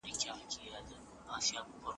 هغه ډوډۍ چي موږ راوړي، د اوږده اتڼ لپاره ده.